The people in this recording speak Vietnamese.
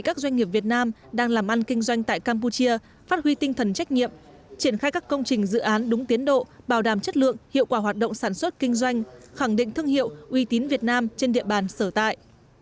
các doanh nghiệp việt nam đang làm ăn kinh doanh tại campuchia phát huy tinh thần trách nhiệm triển khai các công trình dự án đúng tiến độ bảo đảm chất lượng hiệu quả hoạt động sản xuất kinh doanh khẳng định thương hiệu uy tín việt nam trên địa bàn sở tại